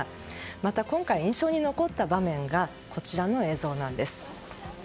また、今回印象に残った場面がこちらの映像なんです。